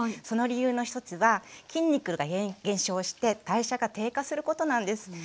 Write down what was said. その理由の一つは筋肉が減少して代謝が低下することなんです。